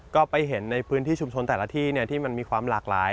ก็ไปเห็นในพื้นที่ชุมชนแต่ละที่ที่มันมีความหลากหลาย